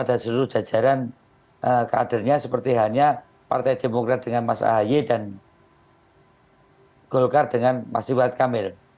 sikap pada seluruh jajaran kadernya seperti hanya partai demokrat dengan mas ahi dan golkar dengan mas rituan kamil